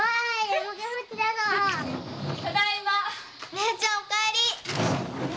姉ちゃんお帰り！